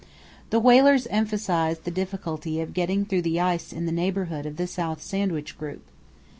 The whalers emphasized the difficulty of getting through the ice in the neighbourhood of the South Sandwich Group.